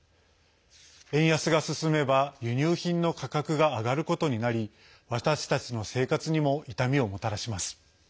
円安が進めば輸入品の価格が上がることになり私たちの生活にも痛みをもたらします。